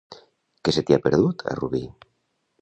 Què se t'hi ha perdut, a Rubi?